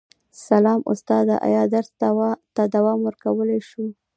سلام استاده ایا درس ته دوام ورکولی شو